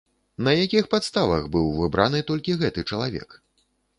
На якіх падставах быў выбраны толькі гэты чалавек?